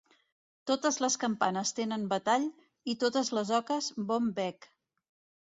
Totes les campanes tenen batall i totes les oques bon bec.